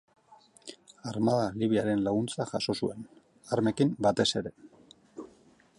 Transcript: Armada Libiaren laguntza jaso zuen, armekin batez ere.